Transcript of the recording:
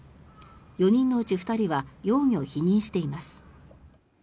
４人のうち２人は容疑を否認しています。